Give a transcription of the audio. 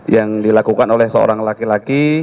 yang dilakukan oleh seorang laki laki